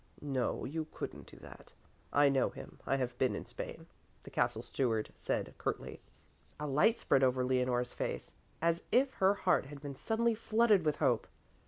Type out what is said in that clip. "No, you couldn't do that. I know him, I have been in Spain," the Castle Steward said curtly. A light spread over Leonore's face, as if her heart had been suddenly flooded with hope.